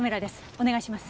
お願いします。